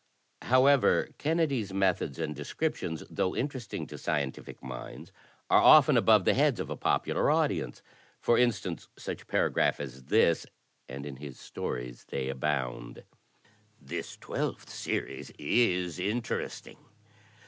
However, Kennedy's methods and descriptions, though interesting to scientific minds, are often above the heads of a popular audience. For instance such a paragraph as this, — and in his stories they abound: "This twelfth series is interesting.